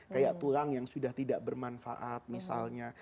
kayak tulang yang sudah tidak bermanfaat misalnya